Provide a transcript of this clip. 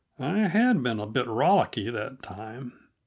I had been a bit rollicky that time.